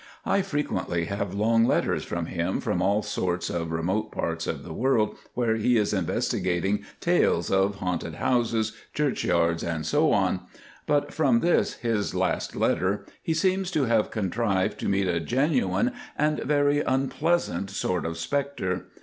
I frequently have long letters from him from all sorts of remote parts of the world where he is investigating tales of haunted houses, churchyards, and so on; but from this, his last letter, he seems to have contrived to meet a genuine and very unpleasant sort of spectre.